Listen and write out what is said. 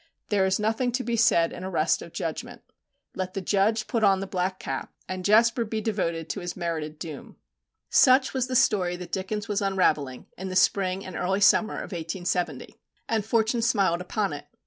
There is nothing to be said in arrest of judgment. Let the judge put on the black cap, and Jasper be devoted to his merited doom. Such was the story that Dickens was unravelling in the spring and early summer of 1870. And fortune smiled upon it.